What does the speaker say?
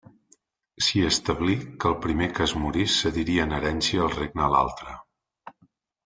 S'hi establí que el primer que es morís cediria en herència el regne a l'altre.